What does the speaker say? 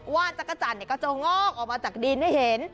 จักรจันทร์ก็จะงอกออกมาจากดินให้เห็น